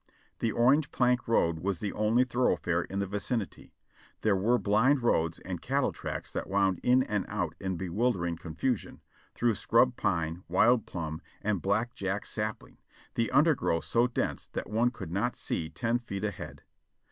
The Orange plank road was the only thoroughfare in the vicinity ; there were blind roads and cattle tracks that wound in and out in bewildering con fusion, through scrub pine, wild plum, and black jack sapling, the undergrowth so dense that one could not see ten feet ahead.